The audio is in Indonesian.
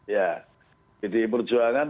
ya jadi perjuangan